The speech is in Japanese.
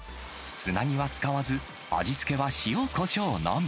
つなぎは使わず、味付けは塩、こしょうのみ。